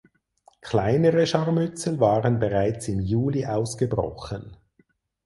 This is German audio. Kleinere Scharmützel waren bereits im Juli ausgebrochen.